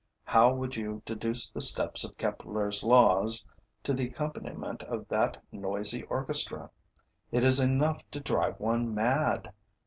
How would you deduce the steps of Kepler's laws to the accompaniment of that noisy orchestra! It is enough to drive one mad.